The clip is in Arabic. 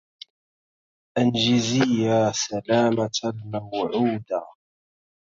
أنجزي يا سلامة الموعودا